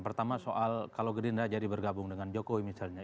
pertama soal kalau gerindra jadi bergabung dengan jokowi misalnya